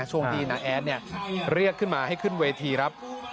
ช่วงที่น้าแอดเรียกขึ้นมาให้ขึ้นเวทีครับ